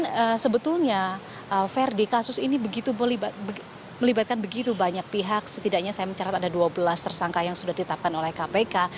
dan sebetulnya ferdi kasus ini melibatkan begitu banyak pihak setidaknya saya mencarat ada dua belas tersangka yang sudah ditetapkan oleh kpk